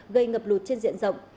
gây ngập lụt trên diện rộng